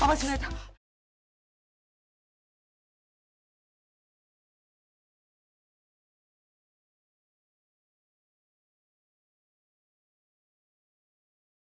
papa tidak tau